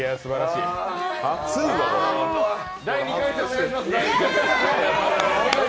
第２回戦、お願いします。